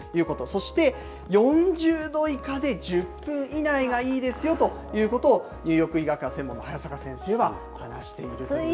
そして、４０度以下で１０分以内がいいですよということを入浴医学が専門の早坂教授は話しているということです。